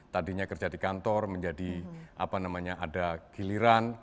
tadinya kerja di kantor menjadi apa namanya ada giliran